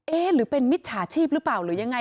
หรือเป็นมิจฉาชีพหรือเปล่าหรือยังไง